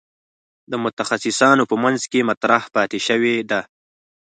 د متخصصانو په منځ کې مطرح پاتې شوې ده.